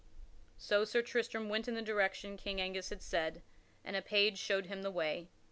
So Sir Tristram went in the direction King Angus had said, and a page showed him the way.